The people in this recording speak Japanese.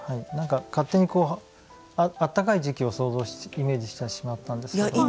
何か勝手にあったかい時期を想像イメージしてしまったんですけど。